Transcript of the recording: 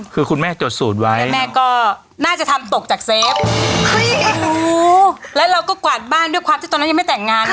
คือคุณแม่จดสูตรไว้แม่ก็น่าจะทำตกจากเซฟเฮ้ยรู้แล้วเราก็กวาดบ้านด้วยความที่ตอนนั้นยังไม่แต่งงาน